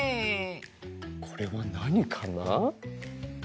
これはなにかな？